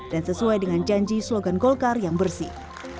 dan sesuai dengan janji slogan golkar yang bersih